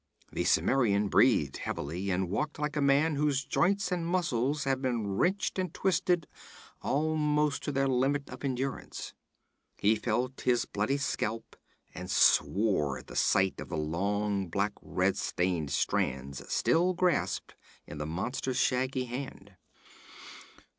The Cimmerian breathed heavily, and walked like a man whose joints and muscles have been wrenched and twisted almost to their limit of endurance. He felt his bloody scalp and swore at the sight of the long black red stained strands still grasped in the monster's shaggy hand.